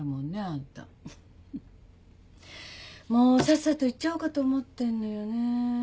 もうさっさと逝っちゃおうかと思ってんのよね。